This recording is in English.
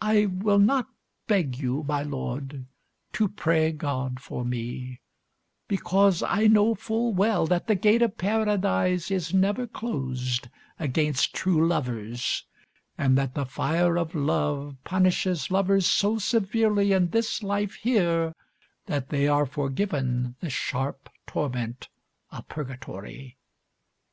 "I will not beg you, my lord, to pray God for me, because I know full well that the gate of Paradise is never closed against true lovers, and that the fire of love punishes lovers so severely in this life here that they are forgiven the sharp torment of Purgatory.